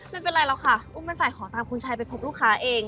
ไม่เป็นไรหรอกค่ะอุ้มเป็นฝ่ายขอตามคุณชายไปพบลูกค้าเอง